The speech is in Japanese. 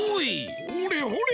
ほれほれ